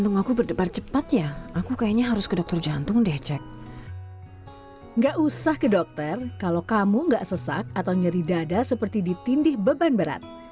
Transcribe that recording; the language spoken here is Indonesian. gak usah ke dokter kalau kamu nggak sesak atau nyeri dada seperti ditindih beban berat